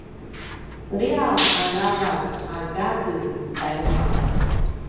liyaw a ravac a gadu i Taiwan